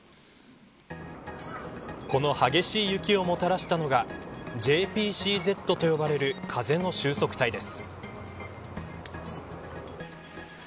この激しい雪をもたらしたのがＪＰＣＺと呼ばれる風の収束帯です。